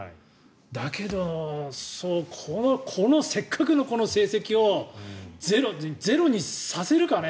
だけどせっかくのこの成績をゼロにさせるかね。